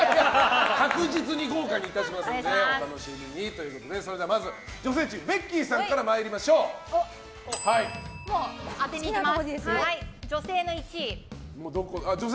確実に豪華にいたしますのでお楽しみにということでまずは女性チームベッキーさんから当てにいきます。